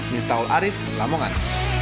mirtaul arief lamongan